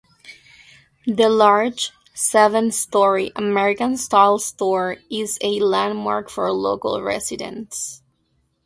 The large, seven-story American-style store is a landmark for local residents.